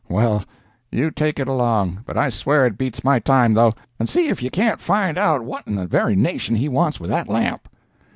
Well, you take it along—but I swear it beats my time, though—and see if you can't find out what in the very nation he wants with that lamp."